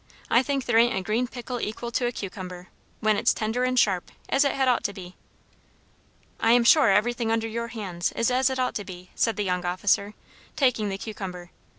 I think there ain't a green pickle equal to a cucumber when it's tender and sharp, as it had ought to be." "I am sure everything under your hands is as it ought to be," said the young officer, taking the cucumber.